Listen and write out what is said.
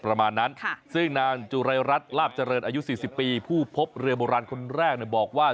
ประมาณนั้นซึ่งนางจุรายรัฐลาบเจริญอายุ๔๐ปีผู้พบเรือโบราณคนแรกบอกว่า